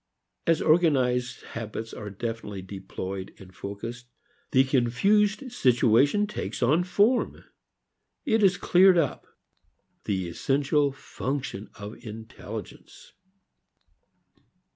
As organized habits are definitely deployed and focused, the confused situation takes on form, it is "cleared up" the essential function of intelligence.